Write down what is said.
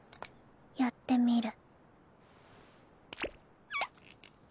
やってみる。